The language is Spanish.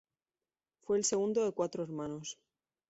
Fue el segundo de cuatro hermanos.